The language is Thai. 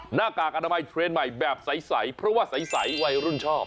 หน้ากากอนามัยเทรนด์ใหม่แบบใสเพราะว่าใสวัยรุ่นชอบ